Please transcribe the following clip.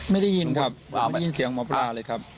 ได้ยินครับไม่ได้ยินเสียงหมอปลาเลยครับ